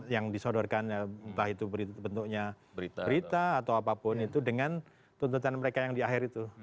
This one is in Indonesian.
yang disodorkan entah itu bentuknya berita atau apapun itu dengan tuntutan mereka yang di akhir itu